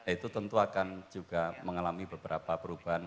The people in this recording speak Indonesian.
itu tentu akan juga mengalami beberapa perubahan